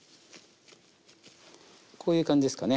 こういう感じですかね